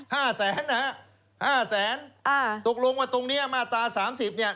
ห้าแสนนะฮะห้าแสนอ่าตกลงว่าตรงเนี้ยมาตราสามสิบเนี้ย